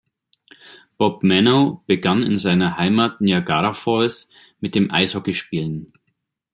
Bob Manno begann in seiner Heimat Niagara Falls mit dem Eishockeyspielen.